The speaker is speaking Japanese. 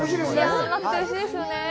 甘くておいしいですよね。